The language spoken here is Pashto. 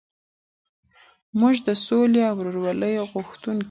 موږ د سولې او ورورولۍ غوښتونکي یو.